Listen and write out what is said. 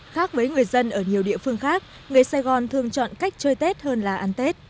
khác với người dân ở nhiều địa phương khác người sài gòn thường chọn cách chơi tết hơn là ăn tết